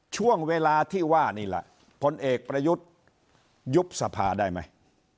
ช่วงเวลาที่ว่านี่แหละพลเอกประยุทธ์ยุบสภาได้ไหม